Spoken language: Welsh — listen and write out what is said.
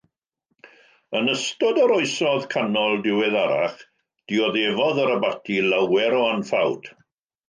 Yn ystod yr Oesoedd Canol diweddarach, dioddefodd yr abaty lawer o anffawd.